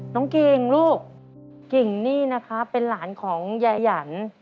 กิ่งลูกกิ่งนี่นะคะเป็นหลานของยายัน